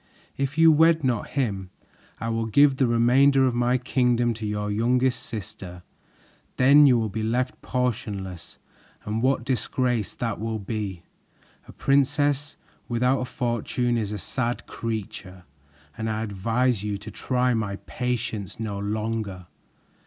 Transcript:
If you wed not him, I will give the remainder of my kingdom to your youngest sister. Then you will be left portionless, and what disgrace that will be! A princess without a fortune is a sad creature, and I advise you to try my patience no longer."